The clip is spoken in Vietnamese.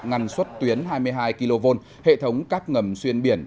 ngăn suất tuyến hai mươi hai kv hệ thống các ngầm xuyên biển